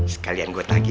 sekalian gue tagi ya